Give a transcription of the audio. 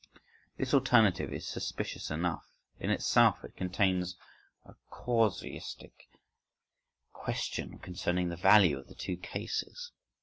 This alternative is suspicious enough: in itself it contains a casuistic question concerning the value of the two cases.